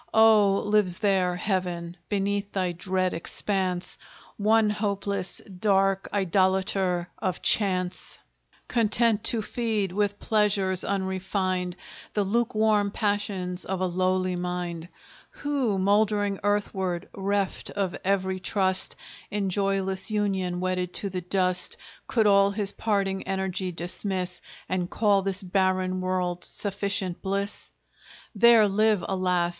Oh, lives there, Heaven, beneath thy dread expanse, One hopeless, dark idolater of Chance, Content to feed, with pleasures unrefined, The lukewarm passions of a lowly mind, Who, moldering earthward, reft of every trust, In joyless union wedded to the dust, Could all his parting energy dismiss, And call this barren world sufficient bliss? There live, alas!